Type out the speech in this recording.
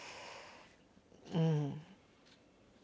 うん。